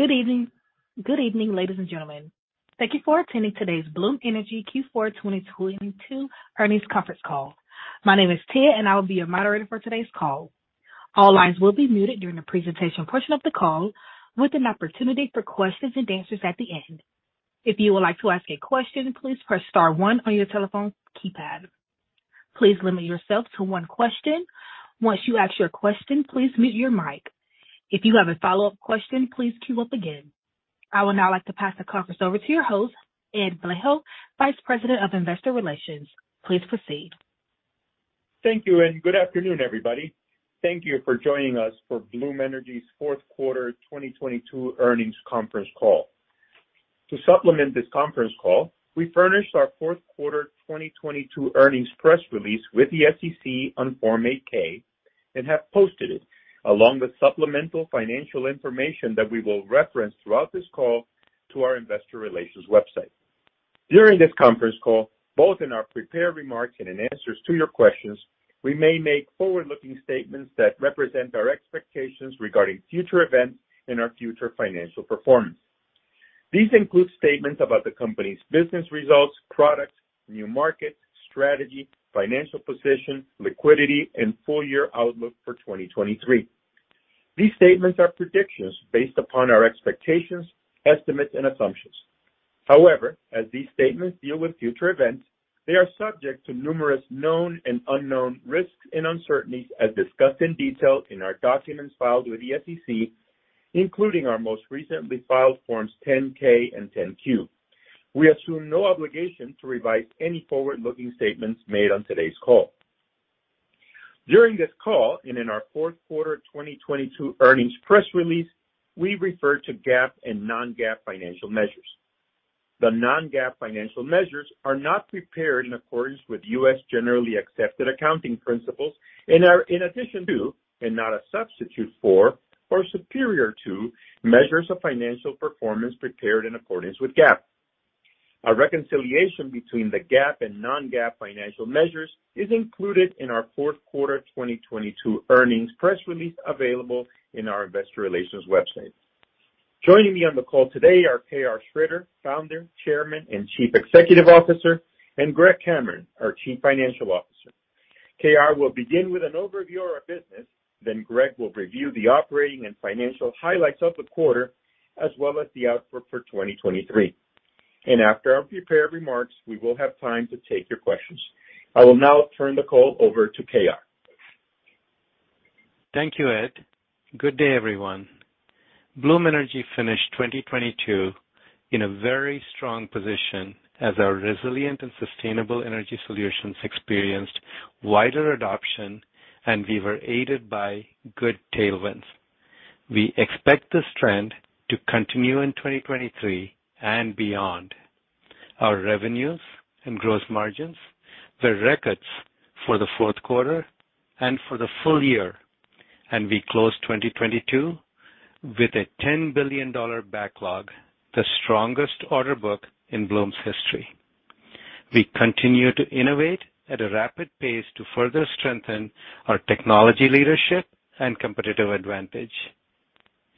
Good evening. Good evening, ladies and gentlemen. Thank you for attending today's Bloom Energy Q4 2022 Earnings conference call. My name is Tia, and I will be your moderator for today's call. All lines will be muted during the presentation portion of the call, with an opportunity for questions and answers at the end. If you would like to ask a question, please press star one on your telephone keypad. Please limit yourself to one question. Once you ask your question, please mute your mic. If you have a follow-up question, please queue up again. I would now like to pass the conference over to your host, Ed Vallejo, Vice President of Investor Relations. Please proceed. Thank you. Good afternoon, everybody. Thank you for joining us for Bloom Energy's Q4 2022 earnings conference call. To supplement this conference call, we furnished our Q4 2022 earnings press release with the SEC on Form 8-K and have posted it, along with supplemental financial information that we will reference throughout this call to our investor relations website. During this conference call, both in our prepared remarks and in answers to your questions, we may make forward-looking statements that represent our expectations regarding future events and our future financial performance. These include statements about the company's business results, products, new markets, strategy, financial position, liquidity, and full-year outlook for 2023. These statements are predictions based upon our expectations, estimates and assumptions. However, as these statements deal with future events, they are subject to numerous known and unknown risks and uncertainties as discussed in detail in our documents filed with the SEC, including our most recently filed forms 10-K and 10-Q. We assume no obligation to revise any forward-looking statements made on today's call. During this call and in our Q4 2022 earnings press release, we refer to GAAP and non-GAAP financial measures. The non-GAAP financial measures are not prepared in accordance with U.S. generally accepted accounting principles and are in addition to and not a substitute for or superior to measures of financial performance prepared in accordance with GAAP. A reconciliation between the GAAP and non-GAAP financial measures is included in our Q4 2022 earnings press release available in our investor relations website. Joining me on the call today are KR Sridhar, Founder, Chairman and Chief Executive Officer, and Greg Cameron, our Chief Financial Officer. KR will begin with an overview of our business, then Greg will review the operating and financial highlights of the quarter as well as the outlook for 2023. After our prepared remarks, we will have time to take your questions. I will now turn the call over to KR. Thank you, Ed. Good day, everyone. Bloom Energy finished 2022 in a very strong position as our resilient and sustainable energy solutions experienced wider adoption. We were aided by good tailwinds. We expect this trend to continue in 2023 and beyond. Our revenues and gross margins were records for the Q4 and for the full year. We closed 2022 with a $10 billion backlog, the strongest order book in Bloom's history. We continue to innovate at a rapid pace to further strengthen our technology leadership and competitive advantage.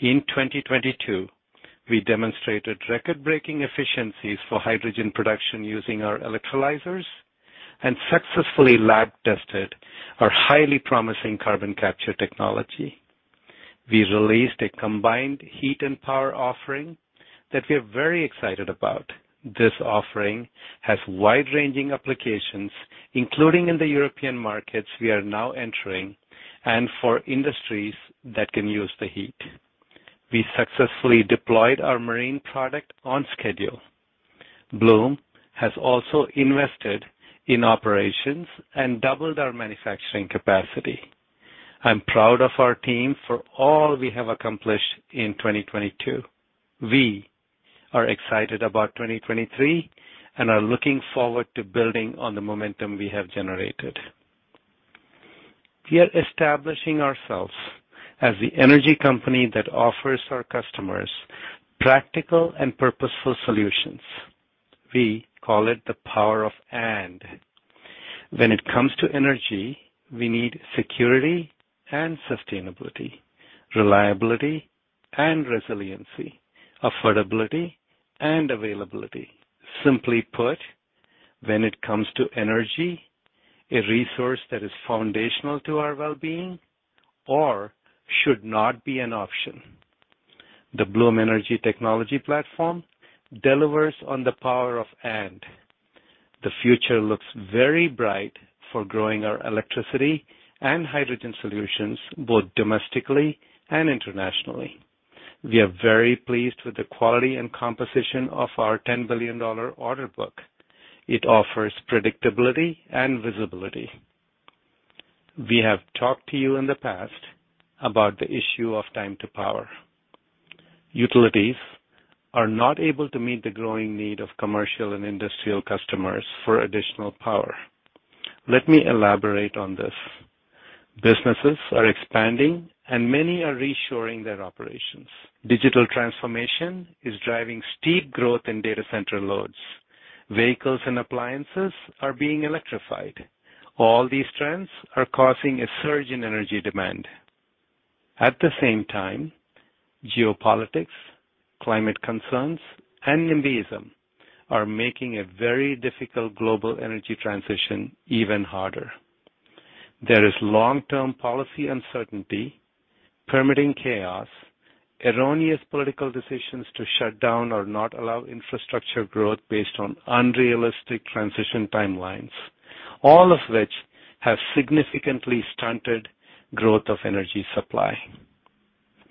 In 2022, we demonstrated record-breaking efficiencies for hydrogen production using our electrolyzers and successfully lab tested our highly promising carbon capture technology. We released a combined heat and power offering that we are very excited about. This offering has wide-ranging applications, including in the European markets we are now entering and for industries that can use the heat. We successfully deployed our marine product on schedule. Bloom has also invested in operations and doubled our manufacturing capacity. I'm proud of our team for all we have accomplished in 2022. We are excited about 2023 and are looking forward to building on the momentum we have generated. We are establishing ourselves as the energy company that offers our customers practical and purposeful solutions. We call it the power of and. When it comes to energy, we need security and sustainability, reliability and resiliency, affordability and availability. Simply put, when it comes to energy, a resource that is foundational to our well-being or should not be an option. The Bloom Energy technology platform delivers on the power of and. The future looks very bright for growing our electricity and hydrogen solutions, both domestically and internationally. We are very pleased with the quality and composition of our $10 billion order book. It offers predictability and visibility. We have talked to you in the past about the issue of time to power. Utilities are not able to meet the growing need of commercial and industrial customers for additional power. Let me elaborate on this. Businesses are expanding, and many are reshoring their operations. Digital transformation is driving steep growth in data center loads. Vehicles and appliances are being electrified. All these trends are causing a surge in energy demand. At the same time, geopolitics, climate concerns, and NIMBYism are making a very difficult global energy transition even harder. There is long-term policy uncertainty, permitting chaos, erroneous political decisions to shut down or not allow infrastructure growth based on unrealistic transition timelines, all of which have significantly stunted growth of energy supply.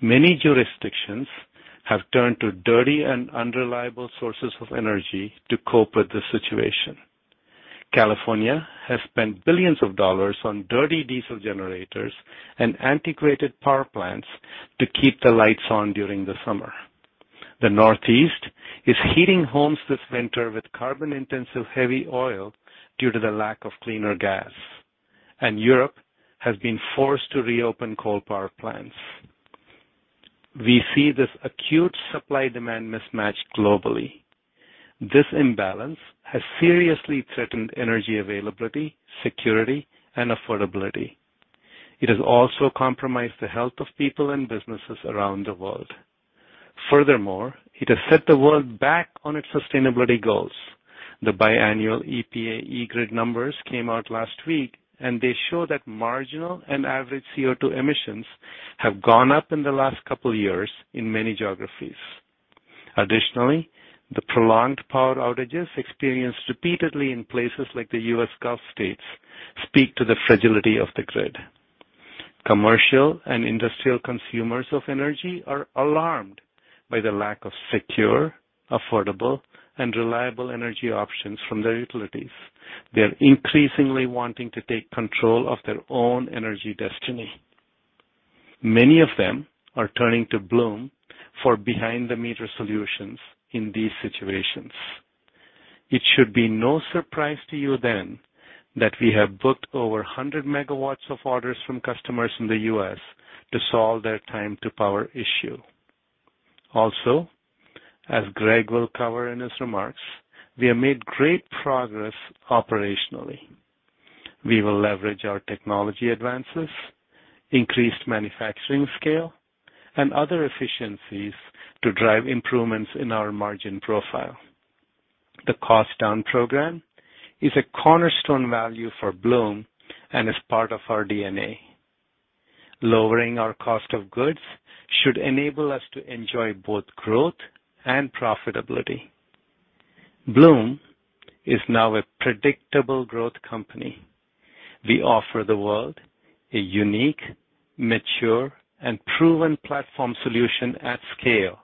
Many jurisdictions have turned to dirty and unreliable sources of energy to cope with the situation. California has spent billions of dollars on dirty diesel generators and integrated power plants to keep the lights on during the summer. The Northeast is heating homes this winter with carbon-intensive heavy oil due to the lack of cleaner gas. Europe has been forced to reopen coal power plants. We see this acute supply-demand mismatch globally. This imbalance has seriously threatened energy availability, security, and affordability. It has also compromised the health of people and businesses around the world. Furthermore, it has set the world back on its sustainability goals. The biannual EPA eGRID numbers came out last week, and they show that marginal and average CO₂ emissions have gone up in the last couple of years in many geographies. Additionally, the prolonged power outages experienced repeatedly in places like the U.S. Gulf states speak to the fragility of the grid. Commercial and industrial consumers of energy are alarmed by the lack of secure, affordable, and reliable energy options from their utilities. They are increasingly wanting to take control of their own energy destiny. Many of them are turning to Bloom for behind-the-meter solutions in these situations. It should be no surprise to you then, that we have booked over 100 MW of orders from customers in the U.S. to solve their time-to-power issue. Also, as Greg will cover in his remarks, we have made great progress operationally. We will leverage our technology advances, increased manufacturing scale, and other efficiencies to drive improvements in our margin profile. The cost down program is a cornerstone value for Bloom and is part of our DNA. Lowering our cost of goods should enable us to enjoy both growth and profitability. Bloom is now a predictable growth company. We offer the world a unique, mature, and proven platform solution at scale,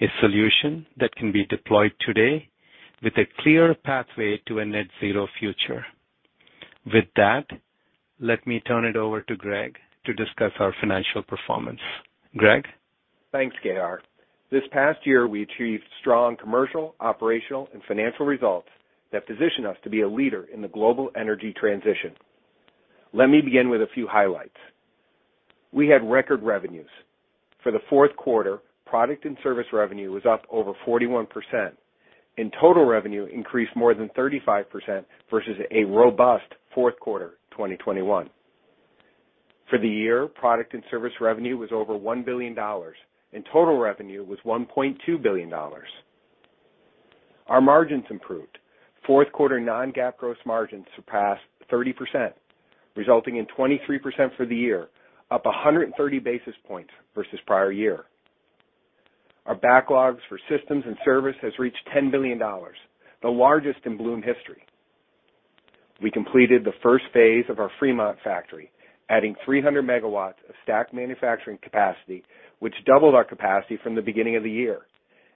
a solution that can be deployed today with a clear pathway to a net zero future. With that, let me turn it over to Greg to discuss our financial performance. Greg? Thanks, KR. This past year, we achieved strong commercial, operational, and financial results that position us to be a leader in the global energy transition. Let me begin with a few highlights. We had record revenues. For the Q4, product and service revenue was up over 41%. Total revenue increased more than 35% versus a robust Q4, 2021. For the year, product and service revenue was over $1 billion, and total revenue was $1.2 billion. Our margins improved. Q4 non-GAAP gross margins surpassed 30%, resulting in 23% for the year, up 130 basis points versus prior year. Our backlogs for systems and service has reached $10 billion, the largest in Bloom history. We completed the first phase of our Fremont factory, adding 300 MW of stack manufacturing capacity, which doubled our capacity from the beginning of the year.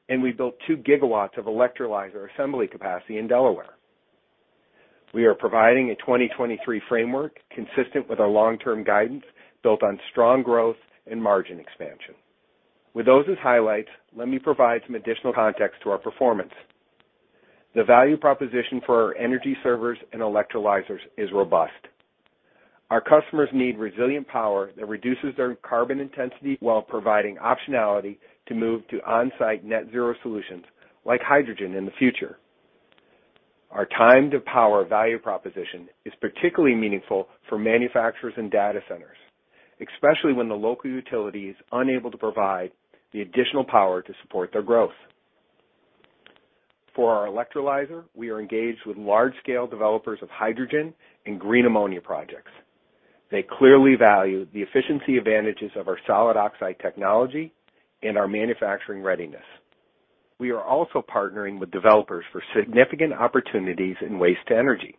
We built two gigawatts of electrolyzer assembly capacity in Delaware. We are providing a 2023 framework consistent with our long-term guidance built on strong growth and margin expansion. With those as highlights, let me provide some additional context to our performance. The value proposition for our Energy Servers and electrolyzers is robust. Our customers need resilient power that reduces their carbon intensity while providing optionality to move to on-site net zero solutions like hydrogen in the future. Our time-to-power value proposition is particularly meaningful for manufacturers and data centers, especially when the local utility is unable to provide the additional power to support their growth. For our electrolyzer, we are engaged with large-scale developers of hydrogen and green ammonia projects. They clearly value the efficiency advantages of our solid oxide technology and our manufacturing readiness. We are also partnering with developers for significant opportunities in waste to energy.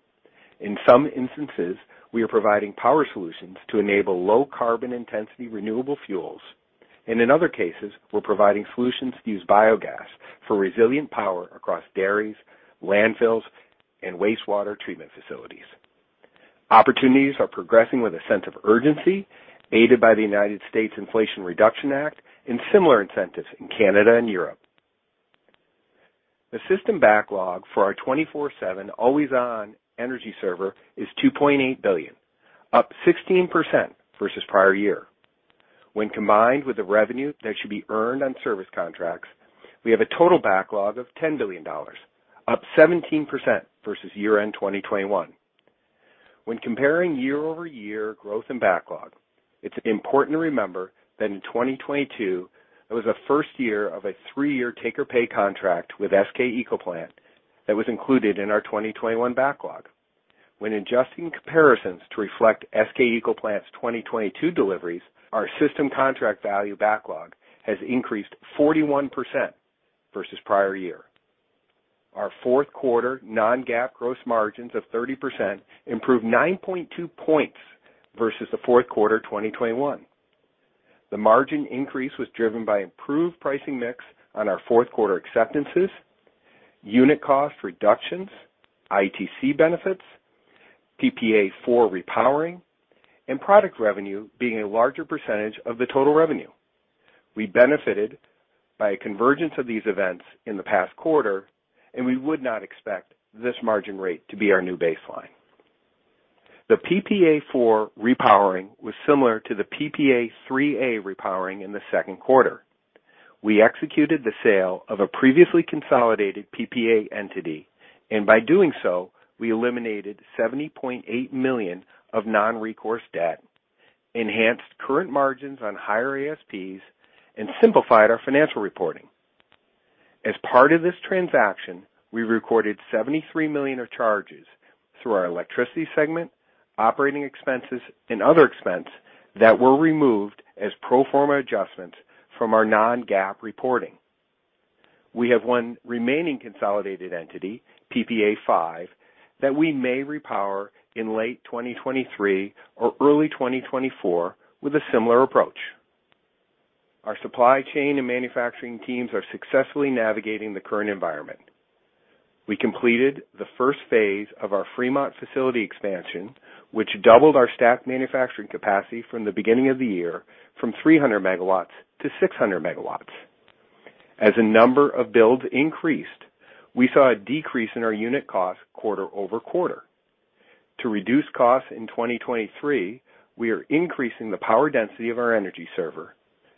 In some instances, we are providing power solutions to enable low carbon intensity renewable fuels. In other cases, we're providing solutions to use biogas for resilient power across dairies, landfills, and wastewater treatment facilities. Opportunities are progressing with a sense of urgency, aided by the United States Inflation Reduction Act and similar incentives in Canada and Europe. The system backlog for our 24/7 always on Energy Server is $2.8 billion, up 16% versus prior year. When combined with the revenue that should be earned on service contracts, we have a total backlog of $10 billion, up 17% versus year-end 2021. When comparing year-over-year growth and backlog, it's important to remember that in 2022 it was the first year of a three-year take or pay contract with SK ecoplant that was included in our 2021 backlog. When adjusting comparisons to reflect SK ecoplant's 2022 deliveries, our system contract value backlog has increased 41% versus prior year. Our Q4 non-GAAP gross margins of 30% improved 9.2 points versus the Q4 2021. The margin increase was driven by improved pricing mix on our Q4 acceptances, unit cost reductions, ITC benefits, PPA IV repowering, and product revenue being a larger percentage of the total revenue. We benefited by a convergence of these events in the past quarter. We would not expect this margin rate to be our new baseline. The PPA IV repowering was similar to the PPA III-A repowering in the Q2. We executed the sale of a previously consolidated PPA entity. By doing so, we eliminated $70.8 million of non-recourse debt, enhanced current margins on higher ASPs, and simplified our financial reporting. As part of this transaction, we recorded $73 million of charges through our electricity segment, operating expenses and other expense that were removed as pro forma adjustments from our non-GAAP reporting. We have one remaining consolidated entity, PPA V, that we may repower in late 2023 or early 2024 with a similar approach. Our supply chain and manufacturing teams are successfully navigating the current environment. We completed the first phase of our Fremont facility expansion, which doubled our stack manufacturing capacity from the beginning of the year from 300 MW to 600 MW. As the number of builds increased, we saw a decrease in our unit cost quarter-over-quarter. To reduce costs in 2023, we are increasing the power density of our energy server,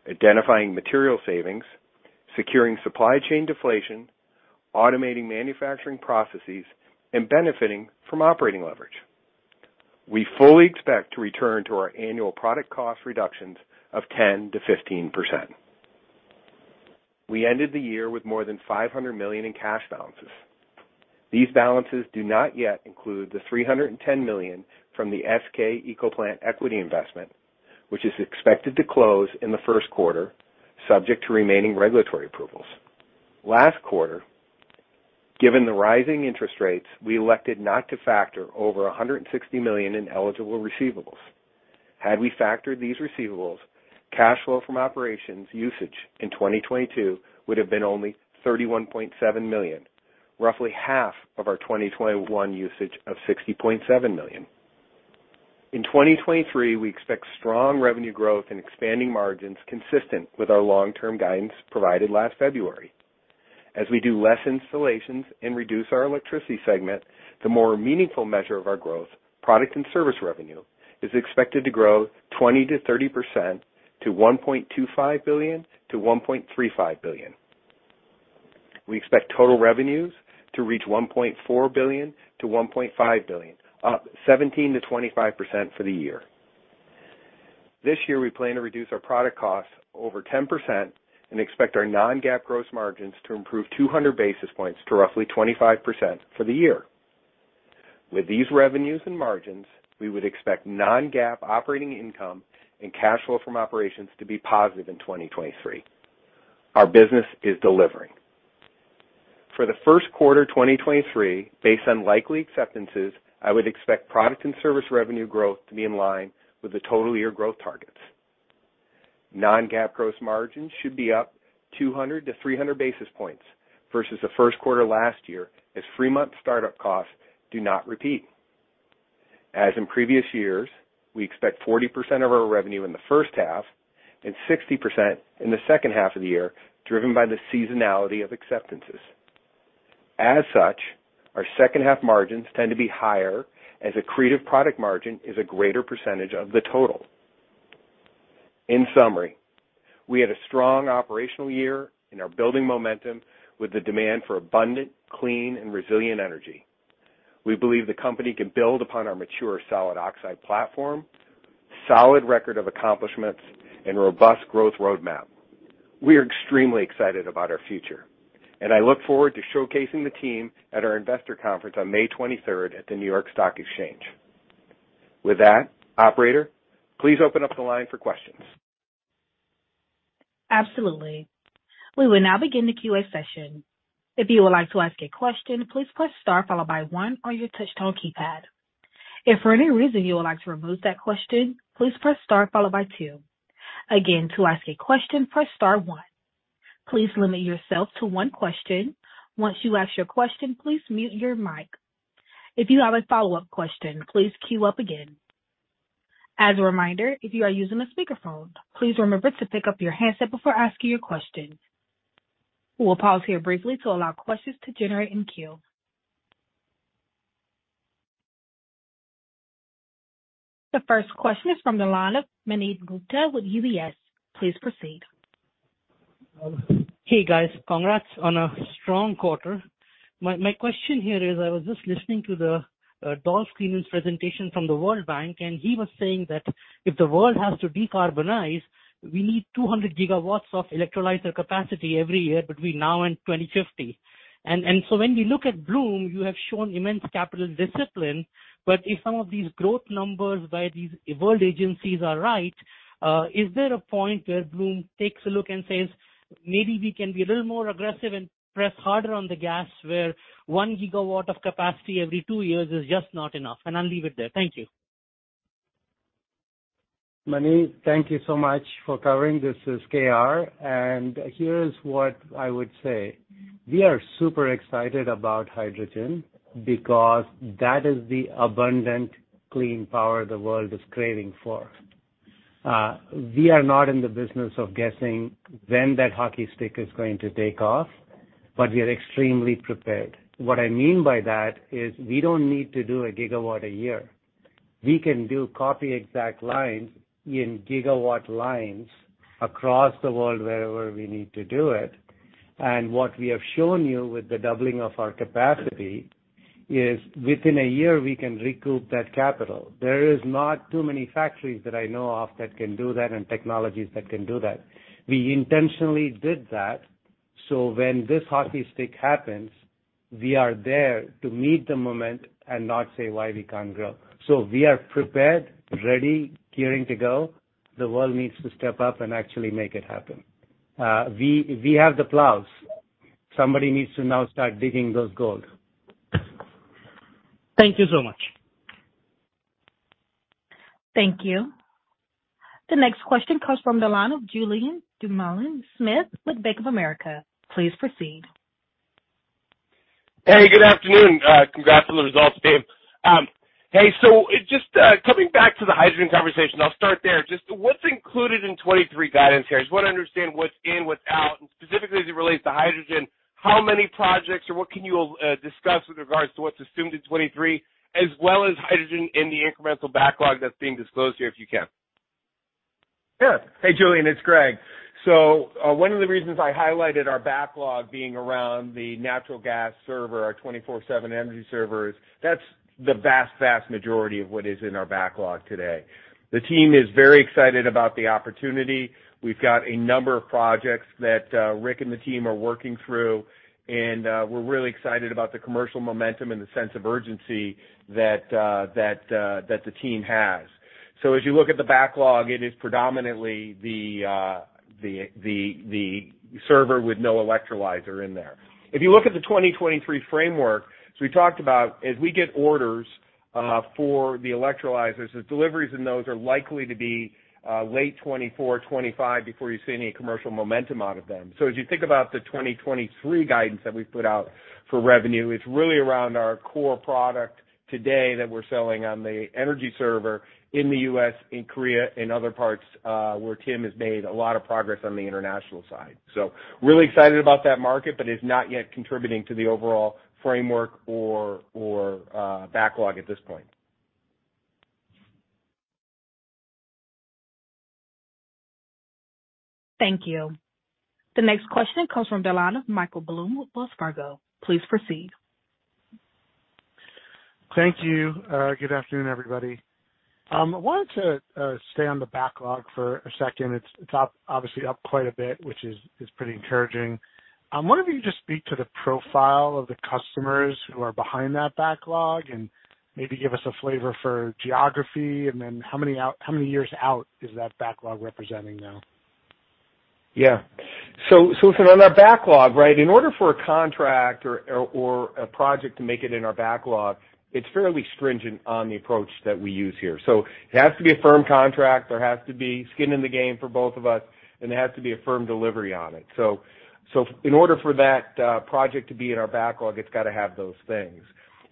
identifying material savings, securing supply chain deflation, automating manufacturing processes, and benefiting from operating leverage. We fully expect to return to our annual product cost reductions of 10%-15%. We ended the year with more than $500 million in cash balances. These balances do not yet include the $310 million from the SK ecoplant equity investment, which is expected to close in the Q1, subject to remaining regulatory approvals. Last quarter, given the rising interest rates, we elected not to factor over $160 million in eligible receivables. Had we factored these receivables, cash flow from operations usage in 2022 would have been only $31.7 million, roughly half of our 2021 usage of $60.7 million. In 2023, we expect strong revenue growth and expanding margins consistent with our long-term guidance provided last February. As we do less installations and reduce our electricity segment, the more meaningful measure of our growth, product and service revenue, is expected to grow 20%-30% to $1.25 billion-$1.35 billion. We expect total revenues to reach $1.4 billion-$1.5 billion, up 17%-25% for the year. This year, we plan to reduce our product costs over 10% and expect our non-GAAP gross margins to improve 200 basis points to roughly 25% for the year. With these revenues and margins, we would expect non-GAAP operating income and cash flow from operations to be positive in 2023. Our business is delivering. For the Q1 2023, based on likely acceptances, I would expect product and service revenue growth to be in line with the total year growth targets. Non-GAAP gross margins should be up 200 to 300 basis points versus the Q1 last year, as Fremont startup costs do not repeat. As in previous years, we expect 40% of our revenue in the H1 and 60% in the H2 of the year, driven by the seasonality of acceptances. As such, our H2 margins tend to be higher as accretive product margin is a greater percentage of the total. In summary, we had a strong operational year and are building momentum with the demand for abundant, clean and resilient energy. We believe the company can build upon our mature solid oxide platform, solid record of accomplishments, and robust growth roadmap. We are extremely excited about our future, and I look forward to showcasing the team at our investor conference on May 23rd at the New York Stock Exchange. With that, operator, please open up the line for questions. Absolutely. We will now begin the QA session. If you would like to ask a question, please press star followed by one on your touch tone keypad. If for any reason you would like to remove that question, please press star followed by two. Again, to ask a question, please press star one. Please limit yourself to one question. Once you ask your question, please mute your mic. If you have a follow-up question, please queue up again. As a reminder, if you are using a speakerphone, please remember to pick up your handset before asking your question. We'll pause here briefly to allow questions to generate in queue. The first question is from the line of Manav Gupta with UBS. Please proceed. Hey guys, congrats on a strong quarter. My question here is, I was just listening to the Dolz Freeman's presentation from the World Bank, and he was saying that if the world has to decarbonize, we need 200 gigawatts of electrolyzer capacity every year between now and 2020. When we look at Bloom, you have shown immense capital discipline. If some of these growth numbers by these world agencies are right, is there a point where Bloom takes a look and says, "Maybe we can be a little more aggressive and press harder on the gas where 1 gigawatt of capacity every two years is just not enough?" I'll leave it there. Thank you. Manav, thank you so much for covering. This is KR, and here's what I would say. We are super excited about hydrogen because that is the abundant clean power the world is craving for. We are not in the business of guessing when that hockey stick is going to take off, but we are extremely prepared. What I mean by that is we don't need to do a gigawatt a year. We can do copy exact lines in gigawatt lines across the world wherever we need to do it. What we have shown you with the doubling of our capacity is within a year, we can recoup that capital. There is not too many factories that I know of that can do that and technologies that can do that. We intentionally did that, so when this hockey stick happens, we are there to meet the moment and not say why we can't grow. We are prepared, ready, gearing to go. The world needs to step up and actually make it happen. We have the plows. Somebody needs to now start digging those gold. Thank you so much. Thank you. The next question comes from the line of Julien Dumoulin-Smith with Bank of America. Please proceed. Hey, good afternoon. Congrats on the results, Dave. Hey, just coming back to the hydrogen conversation, I'll start there. Just what's included in 2023 guidance here? Just want to understand what's in, what's out. Specifically, as it relates to hydrogen, how many projects or what can you discuss with regards to what's assumed in 2023, as well as hydrogen in the incremental backlog that's being disclosed here, if you can. Hey, Julien, it's Greg. One of the reasons I highlighted our backlog being around the natural gas server, our 24/7 energy servers, that's the vast majority of what is in our backlog today. The team is very excited about the opportunity. We've got a number of projects that Rick and the team are working through, and we're really excited about the commercial momentum and the sense of urgency that the team has. As you look at the backlog, it is predominantly the server with no electrolyzer in there. If you look at the 2023 framework, as we talked about, as we get orders for the electrolyzers, the deliveries in those are likely to be late 2024, 2025 before you see any commercial momentum out of them. As you think about the 2023 guidance that we've put out for revenue, it's really around our core product today that we're selling on the Energy Server in the U.S., in Korea, in other parts, where Tim has made a lot of progress on the international side. Really excited about that market, but it's not yet contributing to the overall framework or, backlog at this point. Thank you. The next question comes from the line of Michael Blum with Wells Fargo. Please proceed. Thank you. Good afternoon, everybody. I wanted to stay on the backlog for a second. It's up, obviously up quite a bit, which is pretty encouraging. Wonder if you could just speak to the profile of the customers who are behind that backlog and maybe give us a flavor for geography and then how many years out is that backlog representing now? Listen, on our backlog, right, in order for a contract or a project to make it in our backlog, it's fairly stringent on the approach that we use here. It has to be a firm contract. There has to be skin in the game for both of us, and there has to be a firm delivery on it. In order for that project to be in our backlog, it's gotta have those things.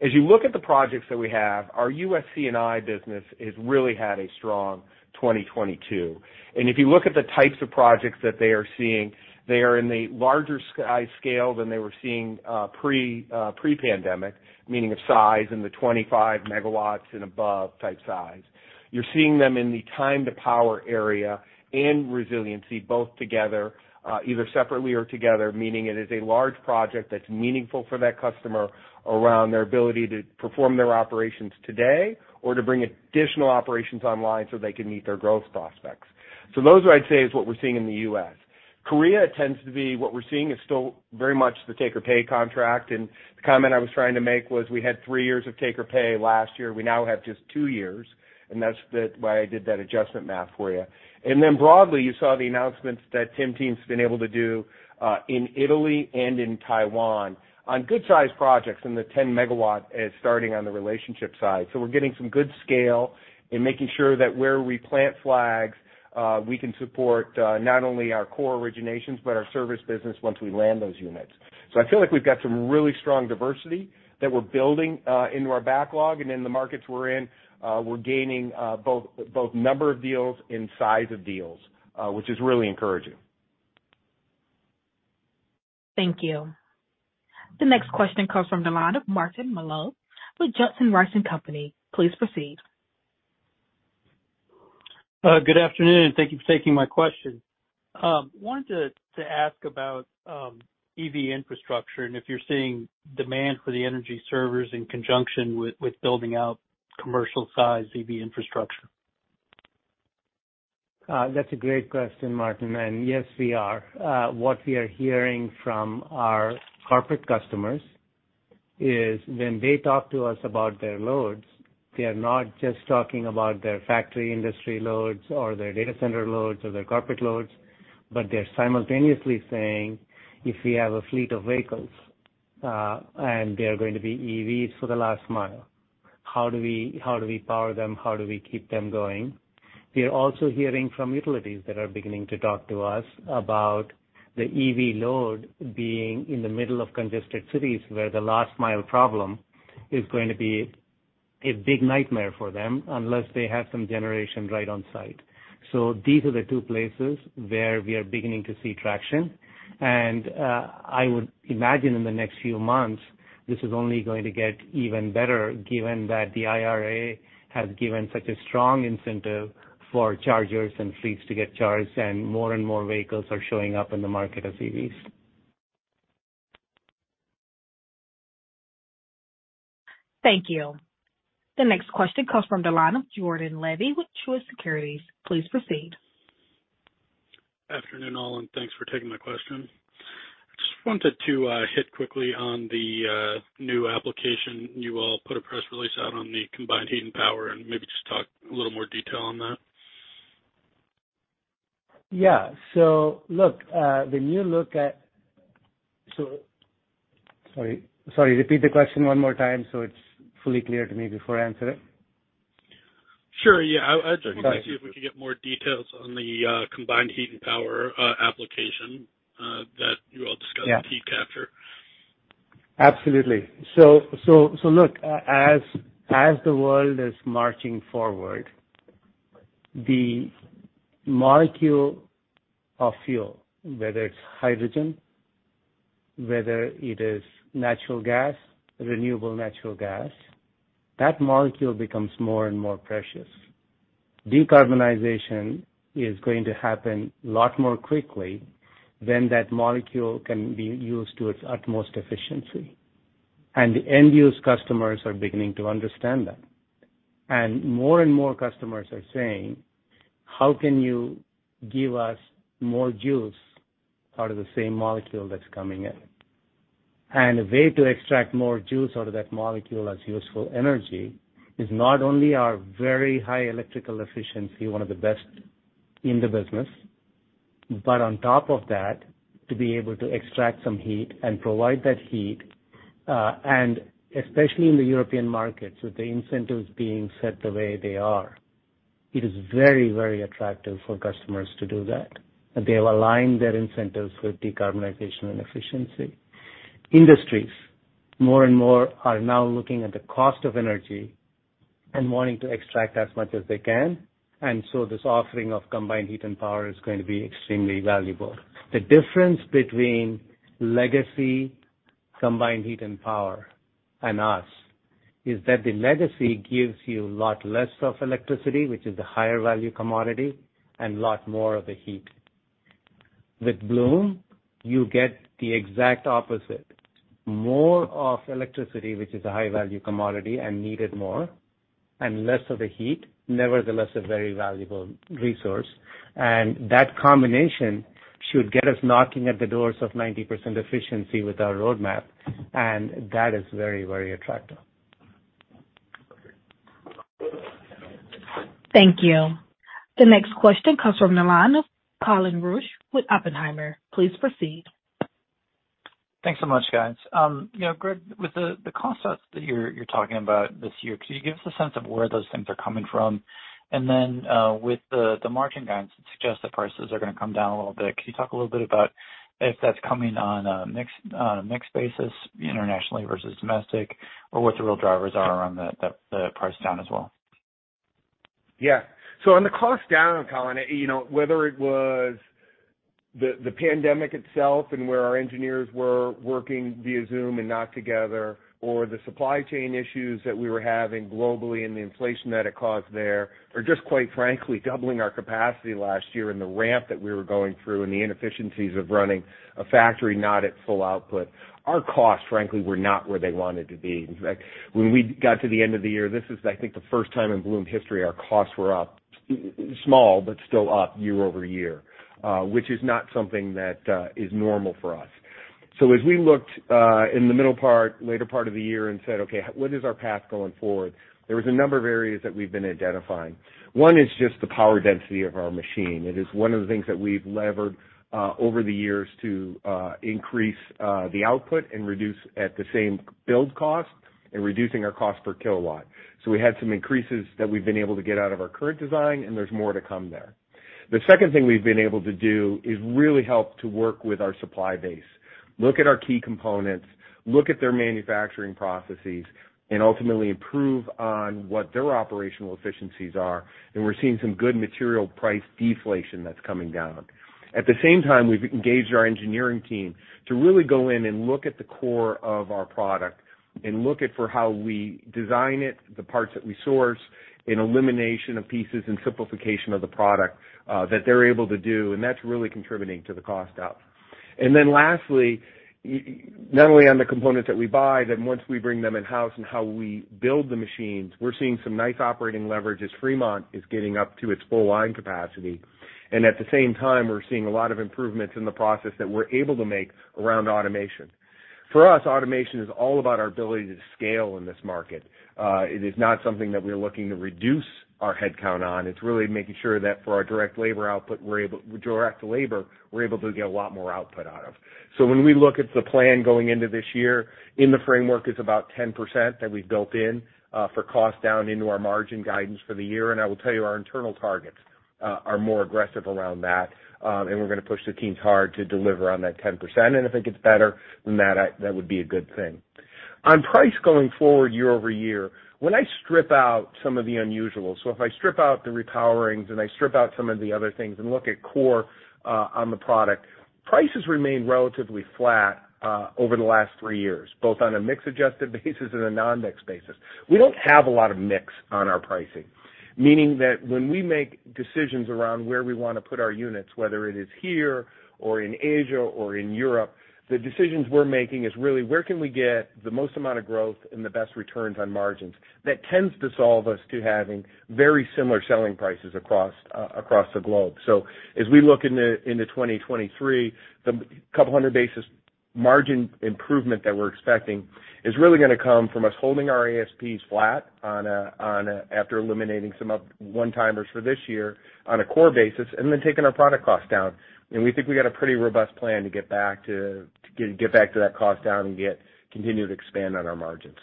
As you look at the projects that we have, our U.S. C&I business has really had a strong 2022. If you look at the types of projects that they are seeing, they are in the larger sky scale than they were seeing pre-pandemic, meaning of size in the 25 MW and above type size. You're seeing them in the time to power area and resiliency both together, either separately or together, meaning it is a large project that's meaningful for that customer around their ability to perform their operations today or to bring additional operations online so they can meet their growth prospects. Those I'd say is what we're seeing in the U.S. Korea tends to be what we're seeing is still very much the take or pay contract. The comment I was trying to make was we had three years of take or pay last year. We now have just two years, that's the why I did that adjustment math for you. Broadly, you saw the announcements that Tim team's been able to do in Italy and in Taiwan on good size projects in the 10 MW as starting on the relationship side. We're getting some good scale in making sure that where we plant flags, we can support, not only our core originations but our service business once we land those units. I feel like we've got some really strong diversity that we're building, into our backlog and in the markets we're in, we're gaining, both number of deals and size of deals, which is really encouraging. Thank you. The next question comes from the line of Martin Malloy with Johnson Rice & Company. Please proceed. Good afternoon, and thank you for taking my question. Wanted to ask about EV infrastructure and if you're seeing demand for the Energy Servers in conjunction with building out commercial-sized EV infrastructure? That's a great question, Martin. Yes, we are. What we are hearing from our corporate customers is when they talk to us about their loads, they are not just talking about their factory industry loads or their data center loads or their corporate loads, but they're simultaneously saying, if we have a fleet of vehicles, and they are going to be EVs for the last mile, how do we power them? How do we keep them going? We are also hearing from utilities that are beginning to talk to us about the EV load being in the middle of congested cities, where the last mile problem is going to be a big nightmare for them unless they have some generation right on site. These are the two places where we are beginning to see traction. I would imagine in the next few months, this is only going to get even better, given that the IRA has given such a strong incentive for chargers and fleets to get charged, and more and more vehicles are showing up in the market as EVs. Thank you. The next question comes from the line of Jordan Levy with Truist Securities. Please proceed. Afternoon, all, thanks for taking my question. I just wanted to hit quickly on the new application. You all put a press release out on the combined heat and power, and maybe just talk a little more detail on that. Yeah. Look, Sorry. Repeat the question one more time so it's fully clear to me before I answer it. Sure. Yeah. Okay. I just wanted to see if we could get more details on the combined heat and power application that you all discussed? Yeah. at Heat Capture. Absolutely. Look, as the world is marching forward, as the world is marching forward, the molecule of fuel, whether it's hydrogen, whether it is natural gas, renewable natural gas, that molecule becomes more and more precious. Decarbonization is going to happen a lot more quickly when that molecule can be used to its utmost efficiency. The end-use customers are beginning to understand that. More and more customers are saying, "How can you give us more juice out of the same molecule that's coming in?" The way to extract more juice out of that molecule as useful energy is not only our very high electrical efficiency, one of the best in the business, but on top of that, to be able to extract some heat and provide that heat, and especially in the European markets, with the incentives being set the way they are, it is very, very attractive for customers to do that. They've aligned their incentives with decarbonization and efficiency. Industries, more and more, are now looking at the cost of energy and wanting to extract as much as they can. This offering of combined heat and power is going to be extremely valuable. The difference between legacy combined heat and power and us is that the legacy gives you a lot less of electricity, which is the higher value commodity, and a lot more of the heat. With Bloom, you get the exact opposite. More of electricity, which is a high value commodity and needed more, and less of the heat, nevertheless a very valuable resource. That combination should get us knocking at the doors of 90% efficiency with our roadmap, and that is very, very attractive. Thank you. The next question comes from the line of Colin Rusch with Oppenheimer. Please proceed. Thanks so much, guys. You know, Greg, with the cost cuts that you're talking about this year, can you give us a sense of where those things are coming from? With the margin guidance, it suggests that prices are gonna come down a little bit. Can you talk a little bit about if that's coming on a mixed basis internationally versus domestic, or what the real drivers are around the price down as well? On the cost down, Colin, you know, whether it was the pandemic itself and where our engineers were working via Zoom and not together, or the supply chain issues that we were having globally and the inflation that it caused there, or just quite frankly, doubling our capacity last year and the ramp that we were going through and the inefficiencies of running a factory not at full output, our costs, frankly, were not where they wanted to be. In fact, when we got to the end of the year, this is I think the first time in Bloom's history our costs were up, small, but still up year-over-year, which is not something that is normal for us. As we looked in the middle part, later part of the year and said, "Okay, what is our path going forward?" There was a number of areas that we've been identifying. One is just the power density of our machine. It is one of the things that we've levered over the years to increase the output and reduce at the same build cost and reducing our cost per kilowatt. We had some increases that we've been able to get out of our current design, and there's more to come there. The second thing we've been able to do is really help to work with our supply base, look at our key components, look at their manufacturing processes, and ultimately improve on what their operational efficiencies are. We're seeing some good material price deflation that's coming down. At the same time, we've engaged our engineering team to really go in and look at the core of our product and look at for how we design it, the parts that we source, and elimination of pieces and simplification of the product, that they're able to do, and that's really contributing to the cost out. Then lastly, not only on the components that we buy, then once we bring them in-house and how we build the machines, we're seeing some nice operating leverage as Fremont is getting up to its full line capacity. At the same time, we're seeing a lot of improvements in the process that we're able to make around automation. For us, automation is all about our ability to scale in this market. It is not something that we're looking to reduce our headcount on. It's really making sure that for our direct labor output, direct labor, we're able to get a lot more output out of. When we look at the plan going into this year, in the framework is about 10% that we've built in for cost down into our margin guidance for the year. I will tell you, our internal targets are more aggressive around that, and we're gonna push the teams hard to deliver on that 10%. If it gets better, then that would be a good thing. On price going forward year-over-year, when I strip out some of the unusual, so if I strip out the repowerings and I strip out some of the other things and look at core, on the product, prices remain relatively flat, over the last three years, both on a mix-adjusted basis and a non-mix basis. We don't have a lot of mix on our pricing, meaning that when we make decisions around where we wanna put our units, whether it is here or in Asia or in Europe, the decisions we're making is really where can we get the most amount of growth and the best returns on margins. That tends to solve us to having very similar selling prices across the globe. As we look into 2023, the 200 basis margin improvement that we're expecting is really gonna come from us holding our ASPs flat after eliminating some of one-timers for this year on a core basis, and then taking our product costs down. We think we got a pretty robust plan to get back to that cost down and continue to expand on our margins.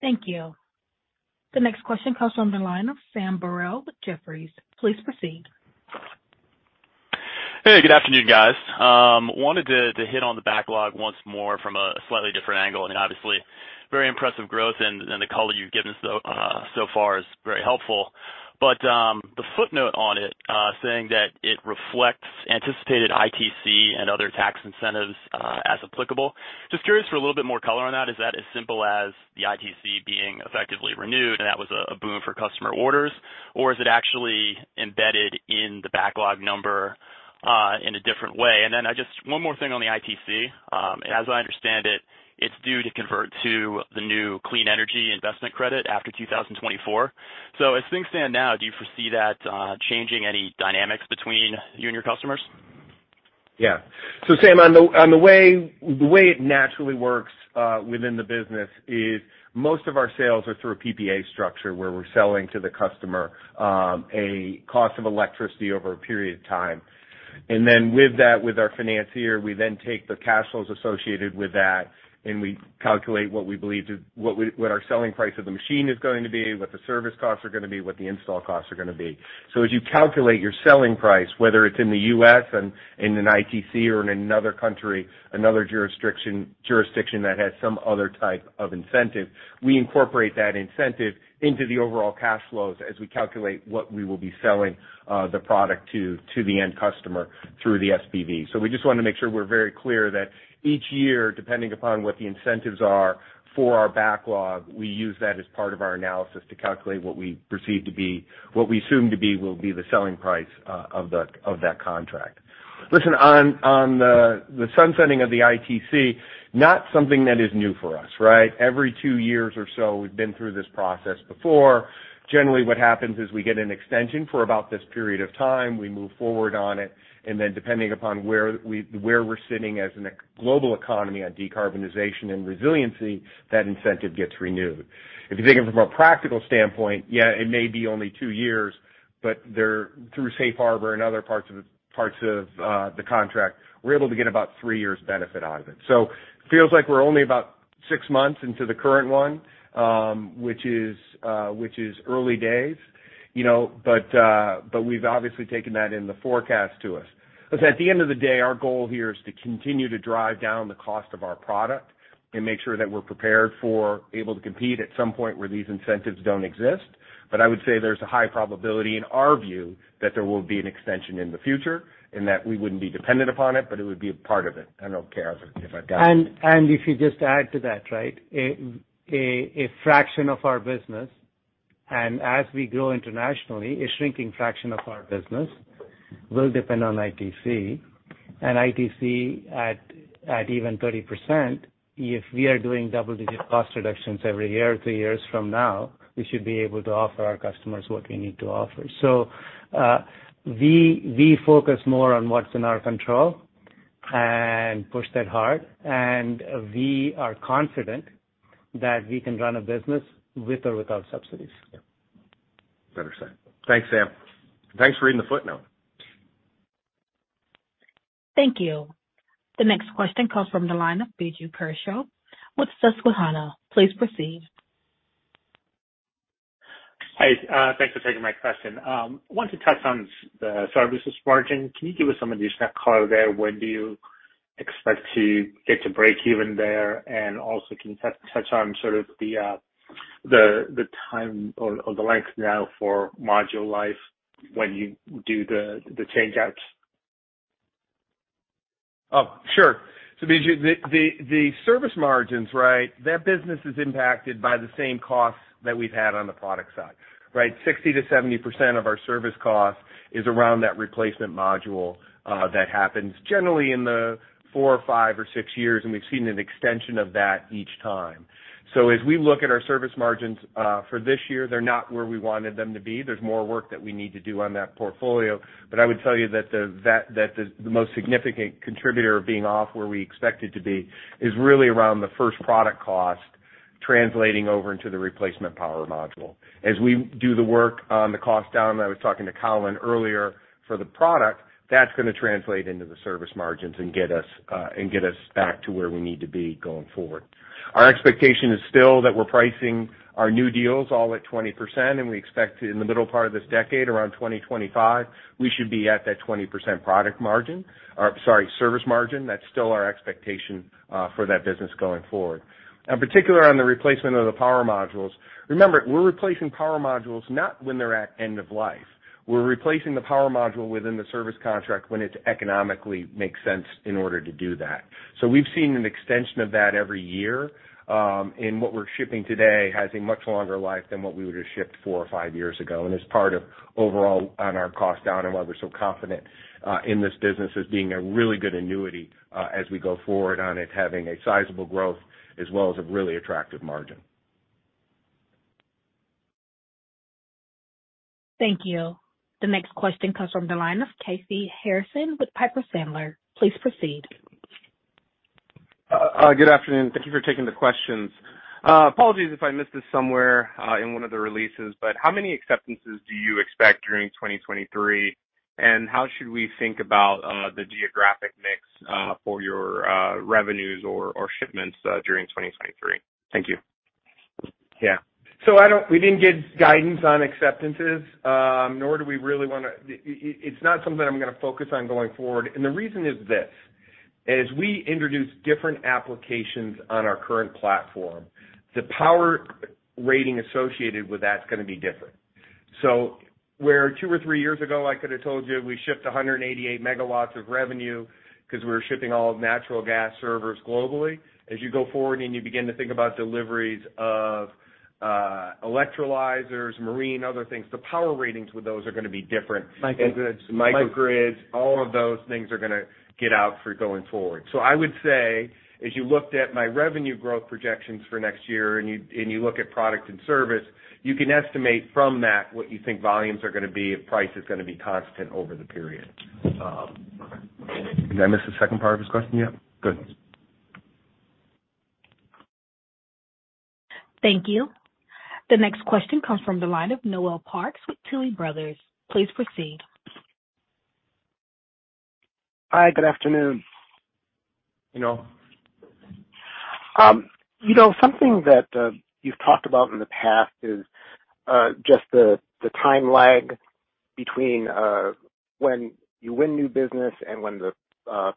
Thank you. The next question comes from the line of Sam Burwell with Jefferies. Please proceed. Hey, good afternoon, guys. Wanted to hit on the backlog once more from a slightly different angle. I mean, obviously, very impressive growth and the color you've given so far is very helpful. The footnote on it, saying that it reflects anticipated ITC and other tax incentives, as applicable. Just curious for a little bit more color on that. Is that as simple as the ITC being effectively renewed, and that was a boom for customer orders? Or is it actually embedded in the backlog number in a different way? Just one more thing on the ITC. As I understand it's due to convert to the new Clean Electricity Investment Credit after 2024. As things stand now, do you foresee that changing any dynamics between you and your customers? Yeah. Sam, on the way it naturally works, within the business is most of our sales are through a PPA structure where we're selling to the customer, a cost of electricity over a period of time. With that, with our financier, we then take the cash flows associated with that and we calculate what our selling price of the machine is going to be, what the service costs are gonna be, what the install costs are gonna be. As you calculate your selling price, whether it's in the U.S. and in an ITC or in another country, another jurisdiction that has some other type of incentive, we incorporate that incentive into the overall cash flows as we calculate what we will be selling the product to the end customer through the SPV. We just wanna make sure we're very clear that each year, depending upon what the incentives are for our backlog, we use that as part of our analysis to calculate what we perceive to be, what we assume to be will be the selling price of that contract. Listen, on the sunsetting of the ITC, not something that is new for us, right? Every two years or so, we've been through this process before. Generally, what happens is we get an extension for about this period of time, we move forward on it. Depending upon where we're sitting as in a global economy on decarbonization and resiliency, that incentive gets renewed. If you think of it from a practical standpoint, yeah, it may be only two years, but there, through safe harbor and other parts of the contract, we're able to get about three years benefit out of it. It feels like we're only about six months into the current one, which is early days, you know, but we've obviously taken that in the forecast to us. At the end of the day, our goal here is to continue to drive down the cost of our product and make sure that we're prepared for able to compete at some point where these incentives don't exist. I would say there's a high probability in our view that there will be an extension in the future and that we wouldn't be dependent upon it, but it would be a part of it. I don't know, KR, if I've got. If you just add to that, right? A fraction of our business, and as we grow internationally, a shrinking fraction of our business will depend on ITC. ITC at even 30%, if we are doing double-digit cost reductions every year, three years from now, we should be able to offer our customers what we need to offer. We focus more on what's in our control and push that hard, and we are confident that we can run a business with or without subsidies. Yeah. Better said. Thanks, Sam. Thanks for reading the footnote. Thank you. The next question comes from the line of Biju Perincheril with Susquehanna. Please proceed. Hi. Thanks for taking my question. Want to touch on the services margin. Can you give us some additional color there? When do you expect to get to breakeven there? Also, can you touch on sort of the time or the length now for module life when you do the change outs? Oh, sure. Biju, the service margins, right? That business is impacted by the same costs that we've had on the product side, right? 60%-70% of our service cost is around that replacement module that happens generally in the four or five or six years, and we've seen an extension of that each time. As we look at our service margins for this year, they're not where we wanted them to be. There's more work that we need to do on that portfolio. But I would tell you that the most significant contributor of being off where we expect it to be is really around the first product cost translating over into the replacement power module. As we do the work on the cost down, I was talking to Colin earlier for the product, that's gonna translate into the service margins and get us back to where we need to be going forward. Our expectation is still that we're pricing our new deals all at 20%, and we expect in the middle part of this decade, around 2025, we should be at that 20% product margin. Or sorry, service margin. That's still our expectation for that business going forward. Particular on the replacement of the power modules. Remember, we're replacing power modules, not when they're at end of life. We're replacing the power module within the service contract when it economically makes sense in order to do that. We've seen an extension of that every year, and what we're shipping today has a much longer life than what we would have shipped four or five years ago, and is part of overall on our cost down and why we're so confident in this business as being a really good annuity as we go forward on it, having a sizable growth as well as a really attractive margin. Thank you. The next question comes from the line of Kashy Harrison with Piper Sandler. Please proceed. Good afternoon. Thank you for taking the questions. Apologies if I missed this somewhere in one of the releases, how many acceptances do you expect during 2023? How should we think about the geographic mix for your revenues or shipments during 2023? Thank you. Yeah. We didn't give guidance on acceptances, nor do we really wanna... It's not something I'm gonna focus on going forward. The reason is this: as we introduce different applications on our current platform, the power rating associated with that's gonna be different. Where two or three years ago, I could have told you we shipped 188 MW of revenue 'cause we were shipping all natural gas servers globally. As you go forward and you begin to think about deliveries of, electrolyzers, marine, other things, the power ratings with those are gonna be different. Microgrids. Microgrids, all of those things are gonna get out for going forward. I would say as you looked at my revenue growth projections for next year and you look at product and service, you can estimate from that what you think volumes are gonna be if price is gonna be constant over the period. Okay. Did I miss the second part of his question? Yeah. Good. Thank you. The next question comes from the line of Noel Parks with Tuohy Brothers. Please proceed. Hi. Good afternoon. You know. You know, something that you've talked about in the past is just the time lag between when you win new business and when the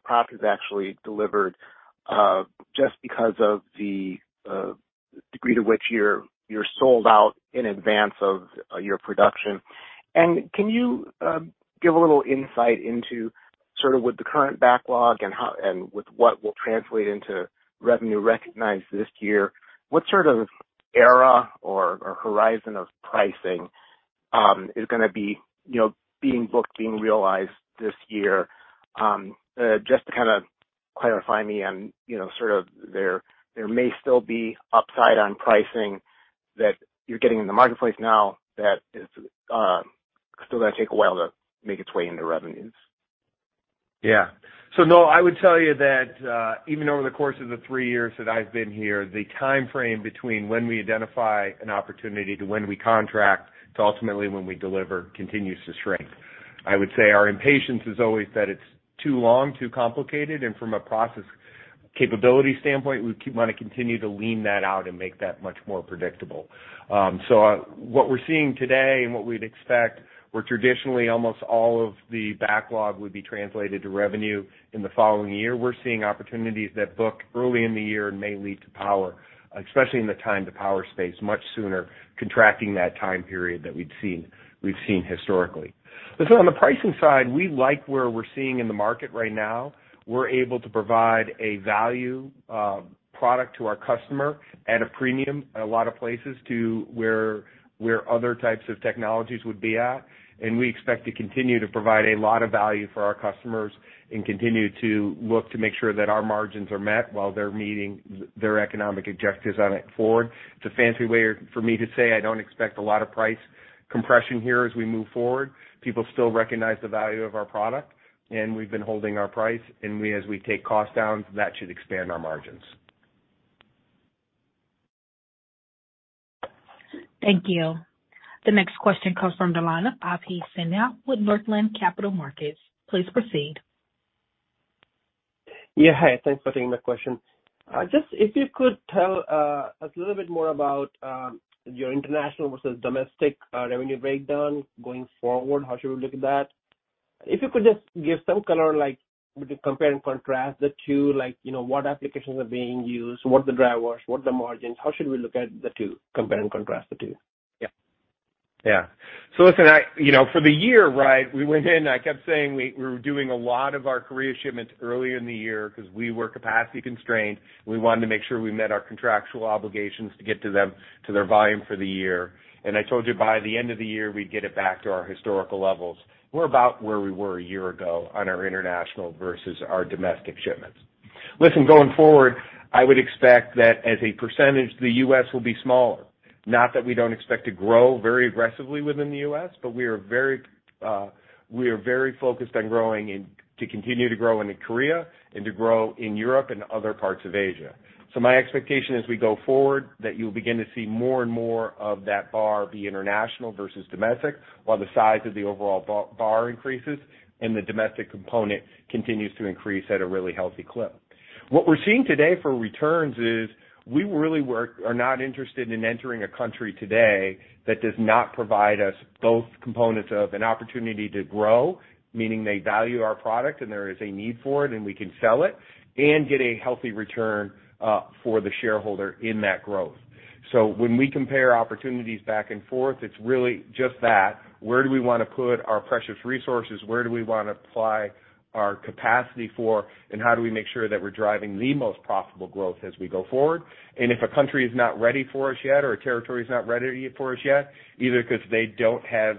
product is actually delivered just because of the degree to which you're sold out in advance of your production. Can you give a little insight into sort of with the current backlog and with what will translate into revenue recognized this year, what sort of era or horizon of pricing is gonna be, you know, being booked, being realized this year? Just to kinda clarify me on, you know, sort of there may still be upside on pricing that you're getting in the marketplace now that is still gonna take a while to make its way into revenues. Noel, I would tell you that, even over the course of the three years that I've been here, the timeframe between when we identify an opportunity to when we contract to ultimately when we deliver continues to shrink. I would say our impatience is always that it's too long, too complicated, and from a process capability standpoint, we keep wanting to continue to lean that out and make that much more predictable. What we're seeing today and what we'd expect, where traditionally almost all of the backlog would be translated to revenue in the following year, we're seeing opportunities that book early in the year and may lead to power, especially in the time to power space, much sooner contracting that time period that we've seen historically. On the pricing side, we like where we're seeing in the market right now. We're able to provide a value product to our customer at a premium in a lot of places to where other types of technologies would be at. We expect to continue to provide a lot of value for our customers and continue to look to make sure that our margins are met while they're meeting their economic objectives on it forward. It's a fancy way for me to say I don't expect a lot of price compression here as we move forward. People still recognize the value of our product, and we've been holding our price, and we, as we take costs down, that should expand our margins. Thank you. The next question comes from the line of Abhishek Sinha with Northland Capital Markets. Please proceed. Yeah. Hi. Thanks for taking my question. Just if you could tell us a little bit more about your international versus domestic revenue breakdown going forward, how should we look at that? If you could just give some color, like compare and contrast the two, like, you know, what applications are being used, what the drivers, what the margins, how should we look at the two, compare and contrast the two? Listen, you know, for the year, right, we went in, I kept saying we were doing a lot of our Korea shipments earlier in the year because we were capacity constrained. We wanted to make sure we met our contractual obligations to get to them to their volume for the year. I told you by the end of the year, we'd get it back to our historical levels. We're about where we were a year ago on our international versus our domestic shipments. Listen, going forward, I would expect that as a percentage, the U.S. will be smaller. Not that we don't expect to grow very aggressively within the U.S., but we are very focused on growing and to continue to grow into Korea and to grow in Europe and other parts of Asia. My expectation as we go forward, that you'll begin to see more and more of that bar be international versus domestic, while the size of the overall bar increases and the domestic component continues to increase at a really healthy clip. What we're seeing today for returns is we are not interested in entering a country today that does not provide us both components of an opportunity to grow, meaning they value our product and there is a need for it and we can sell it and get a healthy return for the shareholder in that growth. When we compare opportunities back and forth, it's really just that. Where do we want to put our precious resources? Where do we want to apply our capacity for and how do we make sure that we're driving the most profitable growth as we go forward? If a country is not ready for us yet or a territory is not ready for us yet, either because they don't have,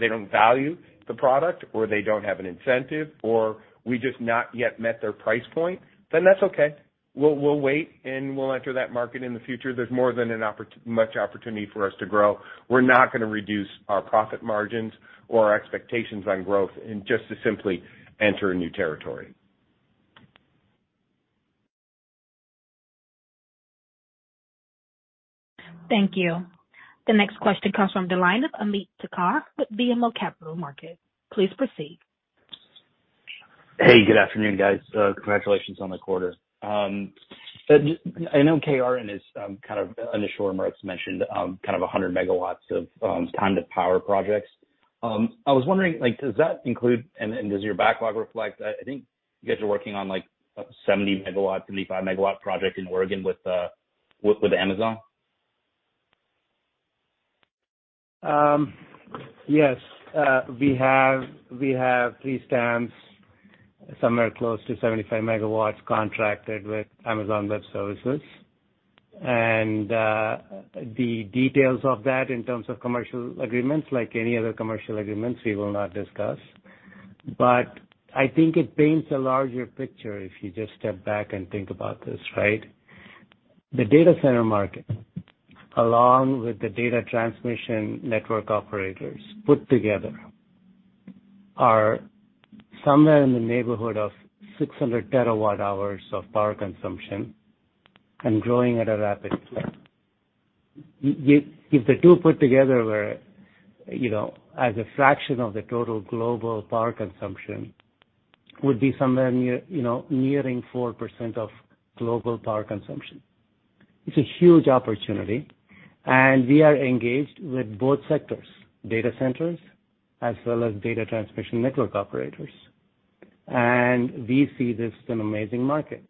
they don't value the product or they don't have an incentive or we just not yet met their price point, then that's okay. We'll wait and we'll enter that market in the future. There's more than much opportunity for us to grow. We're not going to reduce our profit margins or our expectations on growth and just to simply enter a new territory. Thank you. The next question comes from the line of Ameet Thakkar with BMO Capital Markets. Please proceed. Hey, good afternoon, guys. Congratulations on the quarter. I know KR is kind of on the shore Mark's mentioned, kind of 100 MW of time to power projects. I was wondering, like, does that include and does your backlog reflect, I think you guys are working on like 70 MW, 75 MW project in Oregon with Amazon? Yes. We have three stamps, somewhere close to 75 MW contracted with Amazon Web Services. The details of that in terms of commercial agreements, like any other commercial agreements, we will not discuss. I think it paints a larger picture if you just step back and think about this, right? The data center market, along with the data transmission network operators put together are somewhere in the neighborhood of 600 terawatt hours of power consumption and growing at a rapid clip. If the two put together were, as a fraction of the total global power consumption would be somewhere near, nearing 4% of global power consumption. It's a huge opportunity, and we are engaged with both sectors, data centers as well as data transmission network operators. We see this as an amazing market.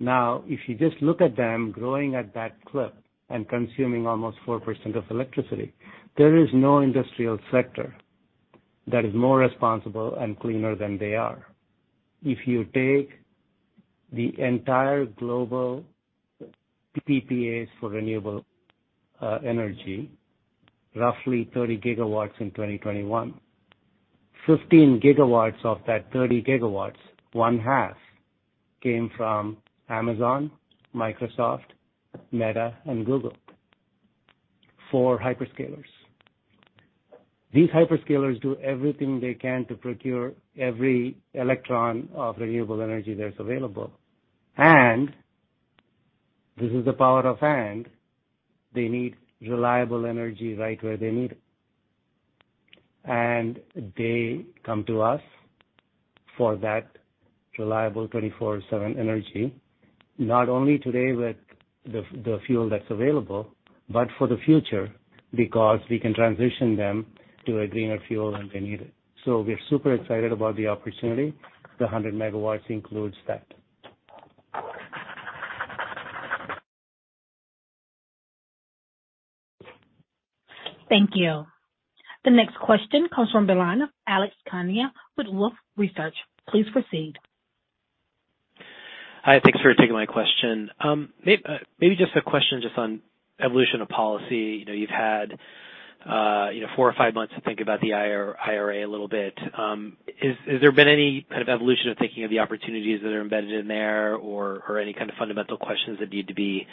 If you just look at them growing at that clip and consuming almost 4% of electricity, there is no industrial sector that is more responsible and cleaner than they are. If you take the entire global PPAs for renewable energy, roughly 30 gigawatts in 2021, 15 gigawatts of that 30 gigawatts, one half came from Amazon, Microsoft, Meta, and Google. 4 hyperscalers. These hyperscalers do everything they can to procure every electron of renewable energy that's available. This is the power of and, they need reliable energy right where they need it. They come to us for that reliable 24/7 energy, not only today with the fuel that's available, but for the future because we can transition them to a greener fuel when they need it. We're super excited about the opportunity. The 100 MW includes that. Thank you. The next question comes from the line of Alex Kania with Wolfe Research. Please proceed. Hi, thanks for taking my question. Maybe just a question just on evolution of policy. You know, you've had, you know, four or five months to think about the IRA a little bit. Has there been any kind of evolution of thinking of the opportunities that are embedded in there or any kind of fundamental questions that need to be answered?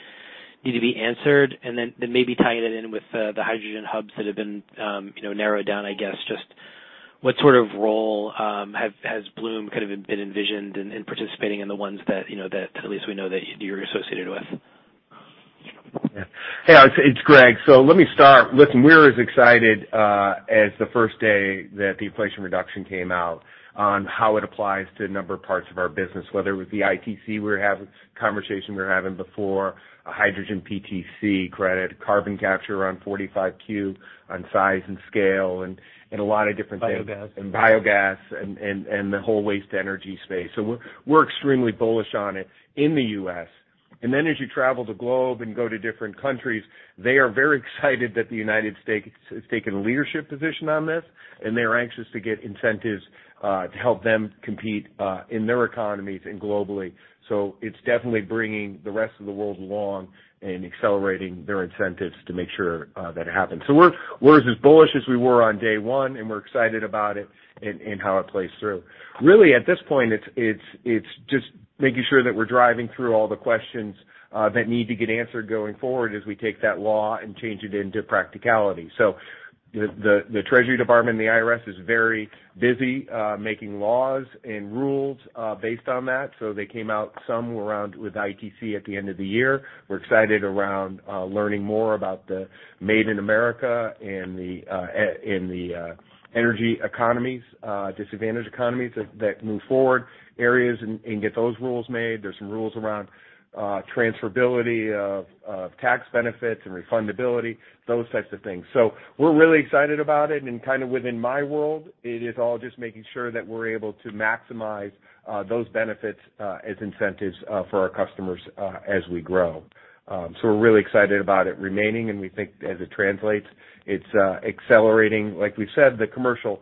Then maybe tying it in with the hydrogen hubs that have been, you know, narrowed down, I guess... What sort of role, has Bloom kind of been envisioned in participating in the ones that, you know, that at least we know that you're associated with? Yeah. Yeah, it's Greg. Let me start. Listen, we're as excited as the first day that the Inflation Reduction came out on how it applies to a number of parts of our business, whether it was the ITC conversation we were having before, a hydrogen PTC credit, carbon capture on 45Q on size and scale and a lot of different things. Biogas. Biogas and the whole waste energy space. We're extremely bullish on it in the U.S. As you travel the globe and go to different countries, they are very excited that the United States has taken a leadership position on this, and they're anxious to get incentives to help them compete in their economies and globally. It's definitely bringing the rest of the world along and accelerating their incentives to make sure that it happens. We're as bullish as we were on day one, and we're excited about it and how it plays through. Really, at this point, it's just making sure that we're driving through all the questions that need to get answered going forward as we take that law and change it into practicality. The Treasury Department and the IRS is very busy making laws and rules based on that, so they came out some around with ITC at the end of the year. We're excited around learning more about the Made in America and the energy economies, disadvantaged economies that move forward areas and get those rules made. There's some rules around transferability of tax benefits and refundability, those types of things. We're really excited about it. Kind of within my world, it is all just making sure that we're able to maximize those benefits as incentives for our customers as we grow. We're really excited about it remaining, and we think as it translates, it's accelerating, like we said, the commercial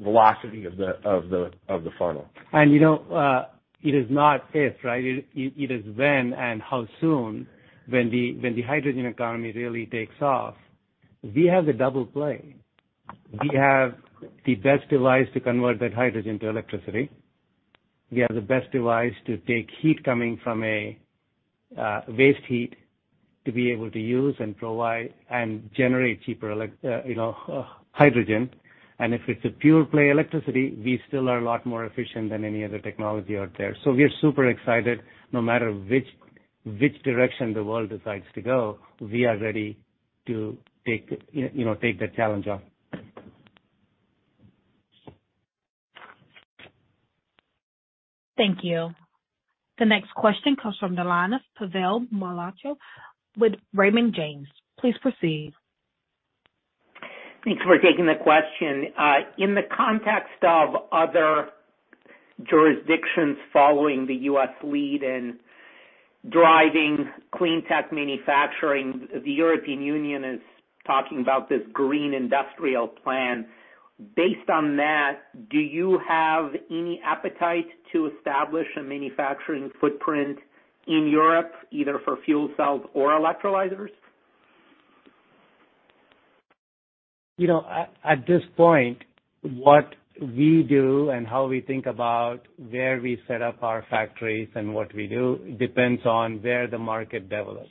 velocity of the funnel. You know, it is not if, right? It is when and how soon when the hydrogen economy really takes off, we have the double play. We have the best device to convert that hydrogen to electricity. We have the best device to take heat coming from a waste heat to be able to use and provide and generate cheaper hydrogen. If it's a pure play electricity, we still are a lot more efficient than any other technology out there. We are super excited. No matter which direction the world decides to go, we are ready to take, you know, take the challenge on. Thank you. The next question comes from the line of Pavel Molchanov with Raymond James. Please proceed. Thanks for taking the question. In the context of other jurisdictions following the U.S. lead in driving clean tech manufacturing, the European Union is talking about this Green Deal Industrial Plan. Based on that, do you have any appetite to establish a manufacturing footprint in Europe, either for fuel cells or electrolyzers? You know, at this point, what we do and how we think about where we set up our factories and what we do depends on where the market develops.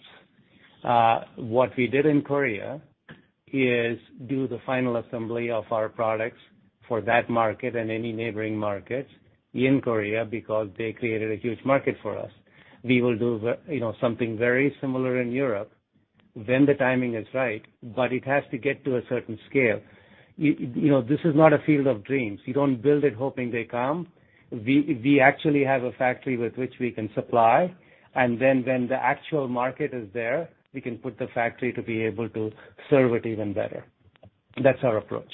What we did in Korea is do the final assembly of our products for that market and any neighboring markets in Korea because they created a huge market for us. We will do you know, something very similar in Europe when the timing is right, but it has to get to a certain scale. You know, this is not a field of dreams. You don't build it hoping they come. We actually have a factory with which we can supply. Then when the actual market is there, we can put the factory to be able to serve it even better. That's our approach.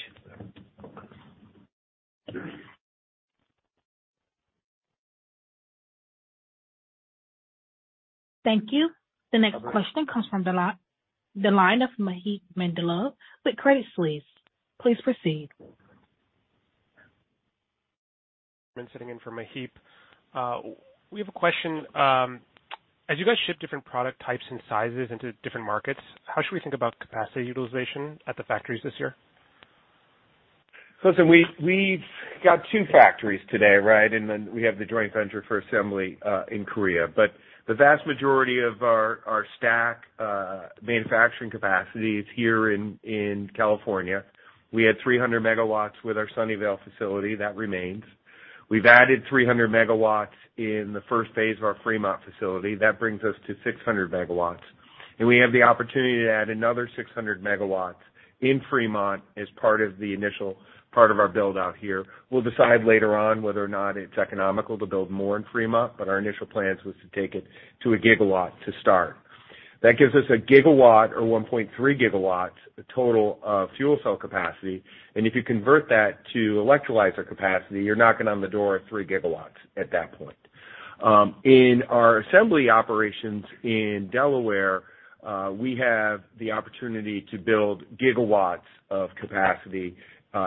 Thank you. The next question comes from the line of Maheep Mandloi with Credit Suisse. Please proceed. I'm sitting in for Maheep. We have a question. As you guys ship different product types and sizes into different markets, how should we think about capacity utilization at the factories this year? Listen, we've got two factories today, right? We have the joint venture for assembly in Korea. The vast majority of our stack manufacturing capacity is here in California. We had 300 MW with our Sunnyvale facility. That remains. We've added 300 MW in the first phase of our Fremont facility. That brings us to 600 MW. We have the opportunity to add another 600 MW in Fremont as part of the initial part of our build-out here. We'll decide later on whether or not it's economical to build more in Fremont, but our initial plans was to take it to a gigawatt to start. That gives us a gigawatt or 1.3 gigawatts total of fuel cell capacity. If you convert that to electrolyzer capacity, you're knocking on the door of 3 gigawatts at that point. In our assembly operations in Delaware, we have the opportunity to build gigawatts of capacity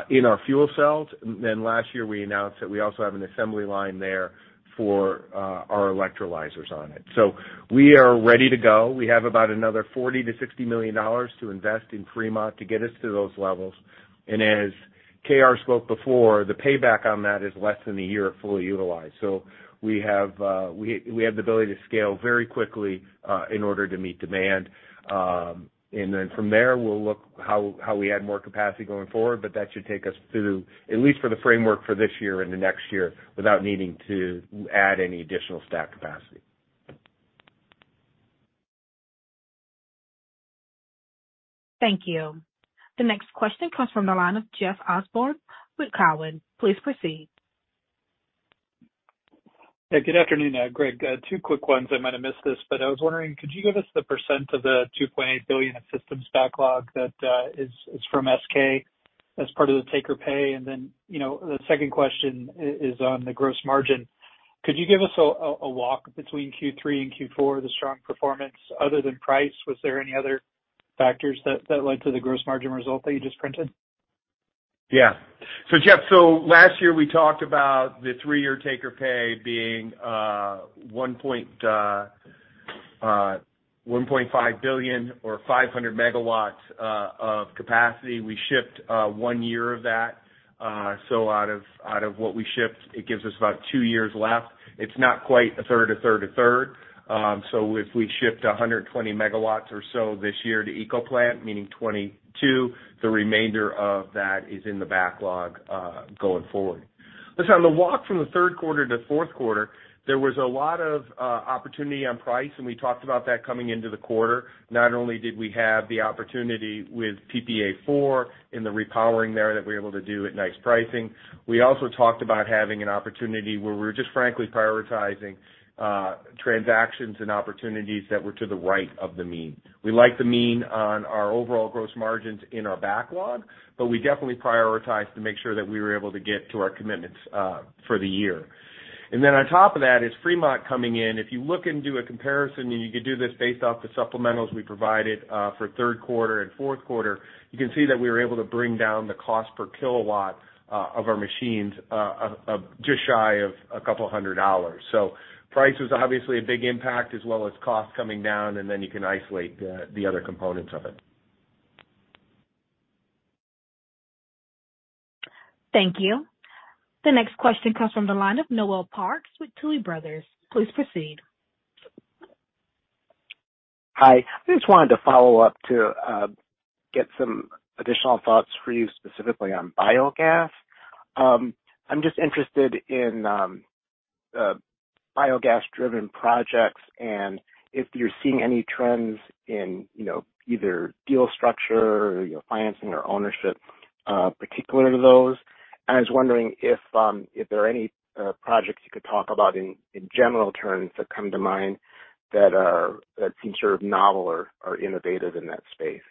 in our fuel cells. Last year, we announced that we also have an assembly line there for our electrolyzers on it. We are ready to go. We have about another $40 million-$60 million to invest in Fremont to get us to those levels. As KR spoke before, the payback on that is less than a year at fully utilized. We have the ability to scale very quickly in order to meet demand. From there, we'll look how we add more capacity going forward, but that should take us through, at least for the framework for this year and the next year, without needing to add any additional stack capacity. Thank you. The next question comes from the line of Jeff Osborne with Cowen. Please proceed. Good afternoon, Greg. Two quick ones. I might have missed this, but I was wondering, could you give us the % of the $2.8 billion in systems backlog that is from SK as part of the take or pay? You know, the second question is on the gross margin. Could you give us a walk between Q3 and Q4, the strong performance other than price? Was there any other factors that led to the gross margin result that you just printed? Yeah. Jeff, last year we talked about the three-year take or pay being $1.5 billion or 500 MW of capacity. We shipped one year of that. Out of what we shipped, it gives us about two years left. It's not quite a third, a third, a third. If we shipped 120 megawatts or so this year to SK ecoplant, meaning 2022, the remainder of that is in the backlog going forward. Listen, on the walk from the Q3 to Q4, there was a lot of opportunity on price. We talked about that coming into the quarter. Not only did we have the opportunity with PPA IV in the repowering there that we were able to do at nice pricing, we also talked about having an opportunity where we were just frankly prioritizing transactions and opportunities that were to the right of the mean. We like the mean on our overall gross margins in our backlog, but we definitely prioritized to make sure that we were able to get to our commitments for the year. On top of that is Fremont coming in. If you look into a comparison, and you can do this based off the supplementals we provided for Q3 and Q4, you can see that we were able to bring down the cost per kilowatt of our machines just shy of $200. Price was obviously a big impact as well as cost coming down, and then you can isolate the other components of it. Thank you. The next question comes from the line of Noel Parks with Tuohy Brothers. Please proceed. Hi. I just wanted to follow up to get some additional thoughts for you specifically on biogas. I'm just interested in biogas-driven projects and if you're seeing any trends in, you know, either deal structure, you know, financing or ownership particular to those. I was wondering if there are any projects you could talk about in general terms that come to mind that are, that seem sort of novel or innovative in that space.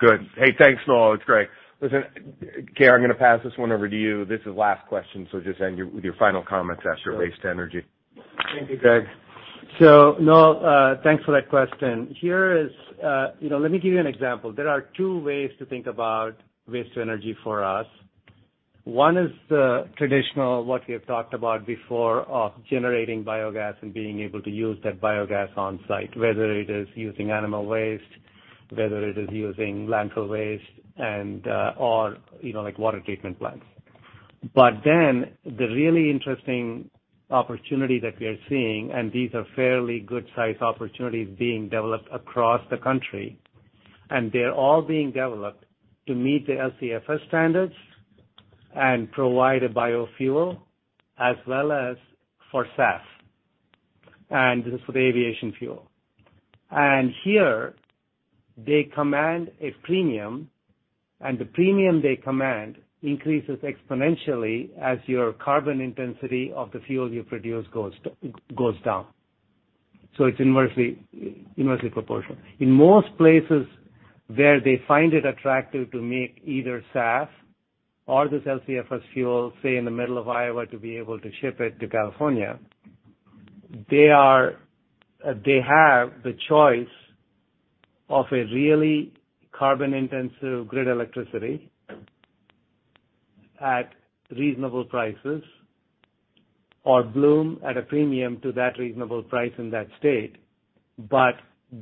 Good. Hey, thanks, Noel. It's Greg. Listen, KR Sridhar, I'm gonna pass this one over to you. This is last question, Just end with your final comments as to waste to energy. Thank you, Greg. Noel, thanks for that question. Here is, you know, let me give you an example. There are two ways to think about waste to energy for us. One is the traditional, what we have talked about before, of generating biogas and being able to use that biogas on-site, whether it is using animal waste, whether it is using landfill waste or, you know, like water treatment plants. The really interesting opportunity that we are seeing, and these are fairly good-sized opportunities being developed across the country, and they're all being developed to meet the LCFS standards and provide a biofuel as well as for SAF, and this is for the aviation fuel. Here they command a premium, and the premium they command increases exponentially as your carbon intensity of the fuel you produce goes down. It's inversely proportional. In most places where they find it attractive to make either SAF or this LCFS fuel, say in the middle of Iowa, to be able to ship it to California, they have the choice of a really carbon-intensive grid electricity at reasonable prices or Bloom at a premium to that reasonable price in that state.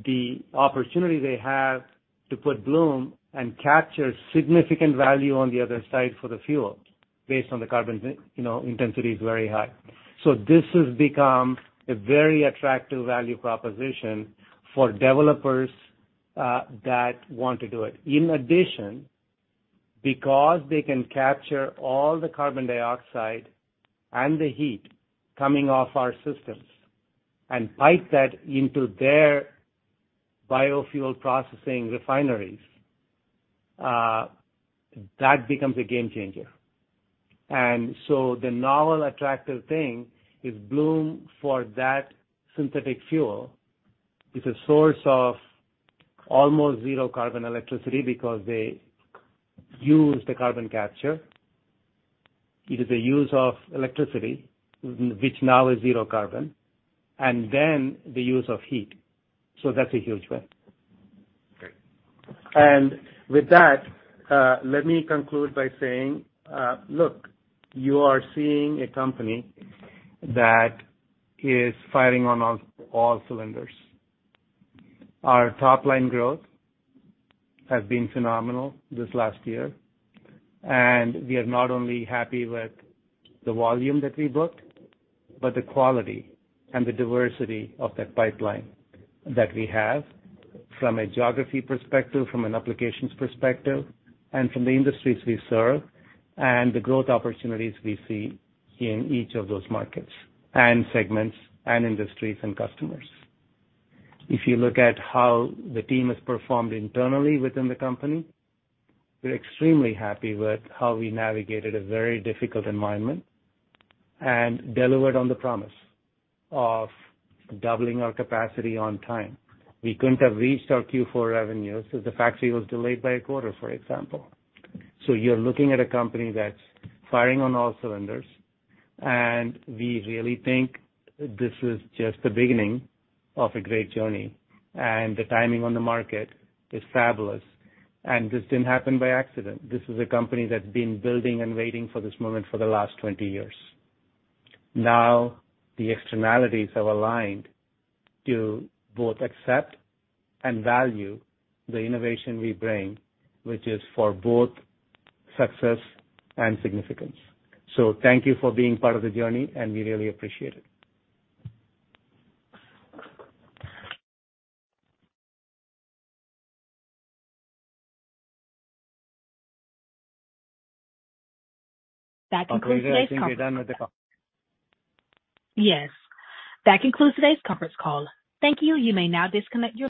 The opportunity they have to put Bloom and capture significant value on the other side for the fuel based on the carbon, you know, intensity is very high. This has become a very attractive value proposition for developers that want to do it. In addition, because they can capture all the carbon dioxide and the heat coming off our systems and pipe that into their biofuel processing refineries, that becomes a game changer. The novel attractive thing is Bloom for that synthetic fuel is a source of almost zero carbon electricity because they use the carbon capture. It is a use of electricity, which now is zero carbon, and then the use of heat. That's a huge win. Great. With that, let me conclude by saying, look, you are seeing a company that is firing on all cylinders. Our top-line growth has been phenomenal this last year. We are not only happy with the volume that we booked, but the quality and the diversity of that pipeline that we have from a geography perspective, from an applications perspective, and from the industries we serve, and the growth opportunities we see in each of those markets and segments and industries and customers. If you look at how the team has performed internally within the company, we're extremely happy with how we navigated a very difficult environment and delivered on the promise of doubling our capacity on time. We couldn't have reached our Q4 revenues if the factory was delayed by a quarter, for example. You're looking at a company that's firing on all cylinders. We really think this is just the beginning of a great journey. The timing on the market is fabulous. This didn't happen by accident. This is a company that's been building and waiting for this moment for the last 20 years. Now, the externalities have aligned to both accept and value the innovation we bring, which is for both success and significance. Thank you for being part of the journey. We really appreciate it. That concludes today's conference. Okay. I think we're done with the call. Yes. That concludes today's conference call. Thank you. You may now disconnect your-